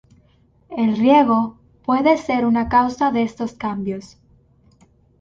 El riego puede ser una causa de estos cambios.